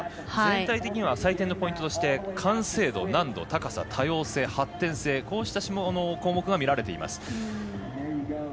全体的には採点のポイントとして完成度、難度、高さ、多様性発展性、こうした項目が見られています。